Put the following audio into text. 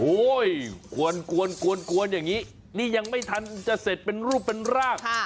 โอ้โหกวนอย่างนี้นี่ยังไม่ทันจะเสร็จเป็นรูปเป็นร่าง